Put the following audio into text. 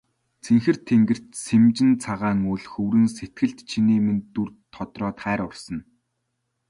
Цэнхэр тэнгэрт сэмжин цагаан үүл хөврөн сэтгэлд чиний минь дүр тодроод хайр урсана.